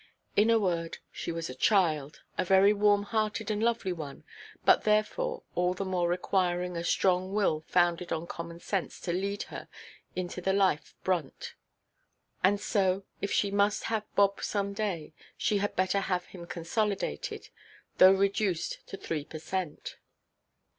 In a word, she was a child, a very warm–hearted and lovely one, but therefore all the more requiring a strong will founded on common sense to lead her into the life–brunt. And so, if she must have Bob some day, she had better have him consolidated, though reduced to three per cent.